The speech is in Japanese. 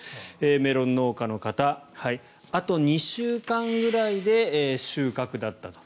メロン農家の方あと２週間ぐらいで収穫だったと。